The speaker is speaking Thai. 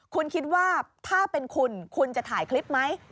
คุณคิดว่าถ้าเป็นคุณคุณจะถ่ายคลิปไหม